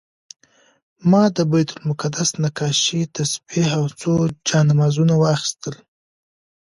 ما د بیت المقدس نقاشي، تسبیح او څو جانمازونه واخیستل.